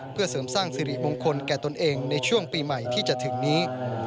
เพื่อเสริมสร้างสิริมงคลแก่ตนเองในช่วงปีใหม่ที่จะถึงนี้